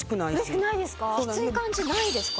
きつい感じないですか？